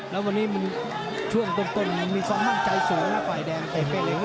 แล้ววันนี้มันช่วงต้นมีสองมั่งใจสูงออกมาไฟแดงเตะไปเหลว